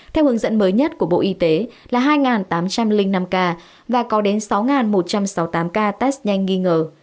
theo hướng dẫn mới nhất của bộ y tế là hai tám trăm linh năm ca và có đến sáu một trăm sáu mươi tám ca test nhanh nghi ngờ